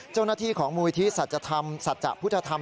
เจ้าหน้าที่ของมูลวิทย์ศัตริย์ธรรมศัตริย์ภุตธรรม